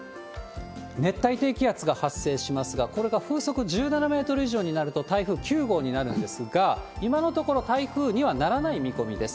熱帯低気圧が発生しますが、これが風速１７メートル以上になると、台風９号になるんですが、今のところ、台風にはならない見込みです。